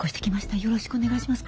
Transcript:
よろしくお願いします